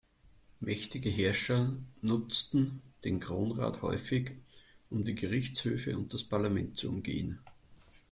Mächtige Herrscher nutzten den Kronrat häufig, um die Gerichtshöfe und das Parlament zu umgehen.